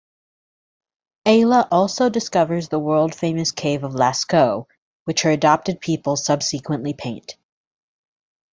Ayla also discovers the world-famous cave of Lascaux, which her adopted people subsequently paint.